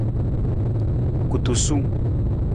Kutusung.